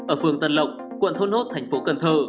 ở phường tân lộc quận thốt nốt thành phố cần thơ